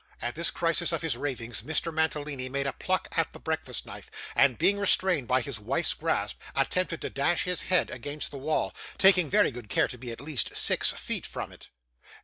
At this crisis of his ravings Mr. Mantalini made a pluck at the breakfast knife, and being restrained by his wife's grasp, attempted to dash his head against the wall taking very good care to be at least six feet from it.